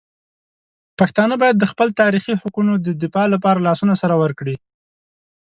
پښتانه باید د خپل تاریخي حقونو دفاع لپاره لاسونه سره ورکړي.